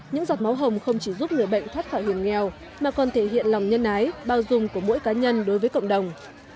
những giọt máu hồng không chỉ giúp người bệnh thoát khỏi hiểm nghèo mà còn thể hiện lòng nhân ái bao dung của mỗi cá nhân đối với cộng đồng